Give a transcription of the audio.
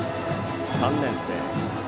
３年生。